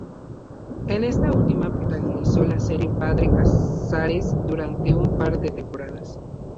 En esta última protagonizó la serie Padre Casares durante un par de temporadas.